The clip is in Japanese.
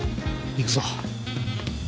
行くぞ。